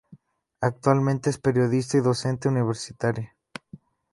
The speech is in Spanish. Actualmente es periodista y docente universitaria.